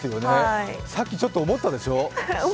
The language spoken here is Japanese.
さっきちょっと思ったでしょう？